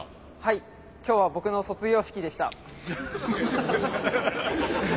今日は僕の卒業式でした。